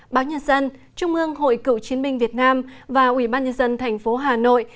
báo nhân dân trung ương hội cựu chiến binh việt nam và ủy ban nhân dân thành phố hà nội